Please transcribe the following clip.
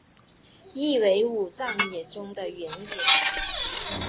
意为武藏野中的原野。